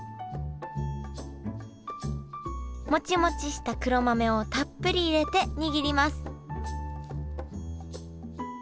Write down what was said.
モチモチした黒豆をたっぷり入れて握ります